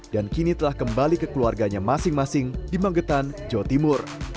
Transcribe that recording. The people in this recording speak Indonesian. dan kini telah kembali ke keluarganya masing masing di magetan jawa timur